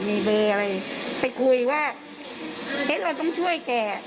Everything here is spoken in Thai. มีเบอร์อะไรไปคุยว่าเอ๊ะเราต้องช่วยแก